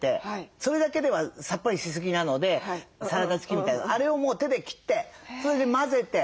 それだけではサッパリしすぎなのでサラダチキンみたいなのあれをもう手で切ってそれで混ぜて。